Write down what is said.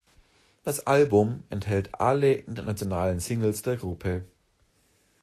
Das Album enthält alle internationalen Singles der Gruppe.